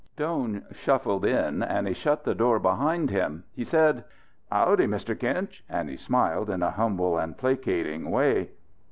Doan shuffled in and he shut the door behind him. He said: "Howdy, Mr. Kinch." And he smiled in a humble and placating way.